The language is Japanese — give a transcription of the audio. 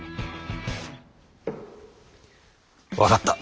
分かった。